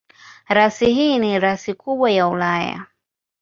Rasi hii ni rasi kubwa ya Ulaya.